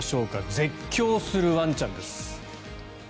絶叫するワンちゃんです。